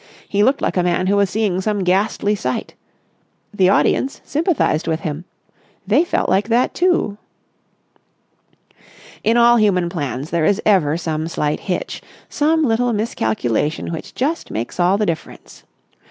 He looked like a man who was seeing some ghastly sight. The audience sympathised with him. They felt like that, too. In all human plans there is ever some slight hitch, some little miscalculation which just makes all the difference.